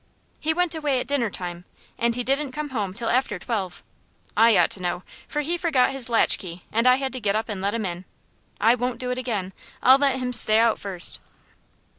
"He went away at dinner time, and he didn't come home till after twelve. I ought to know, for he forgot his latchkey, and I had to get up and let him in. I won't do it again. I'll let him stay out first."